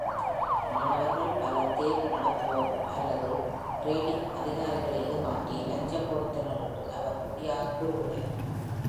மாணவர்கள் பலர் தேர்வு நடத்துபவர்கள் (அல்லது) கிரேடிங் அதிகாரிகளை ஏமாற்றி லஞ்சம் கொடுத்தனர் என்று அவர் உறுதியாகக் கூறுகிறார்.